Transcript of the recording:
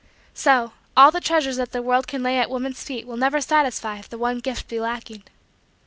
So, all the treasures that the world can lay at woman's feet will never satisfy if the one gift be lacking.